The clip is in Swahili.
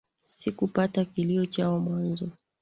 Sikupata kilio chao mwanzo